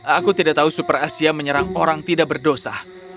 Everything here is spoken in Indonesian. aku tidak tahu super asia menyerang orang tidak berdosa